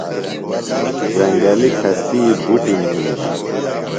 زنگلیۡ کھستِی بُٹِم ہِنِم۔